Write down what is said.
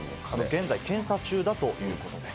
現在、検査中だということです。